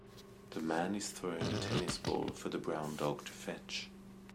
The man is throwing a tennis ball for the brown dog to fetch.